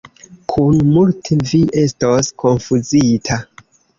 Kun multe vi estos konfuzita.